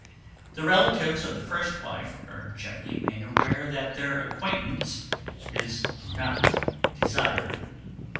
The relatives of the first wife are gently made aware that their acquaintance is not desired.